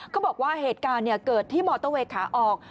เขาบอกว่าเหตุการณ์เกิดที่มอเตอร์เวย์ขาออก